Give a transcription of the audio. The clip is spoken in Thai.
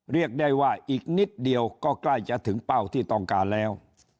เรียกได้ว่าอีกนิดเดียวก็ใกล้จะถึงเป้าที่ต้องการแล้ว